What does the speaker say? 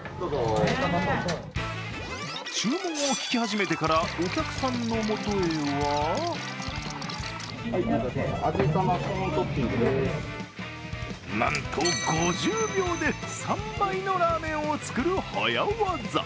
注文を聞き始めてからお客さんの元へはなんと５０秒で３杯のラーメンを作る早業。